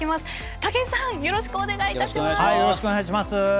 武井さん、よろしくお願いします。